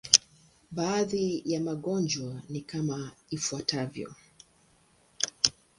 Baadhi ya magonjwa ni kama ifuatavyo.